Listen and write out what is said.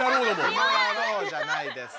いもやろうじゃないです。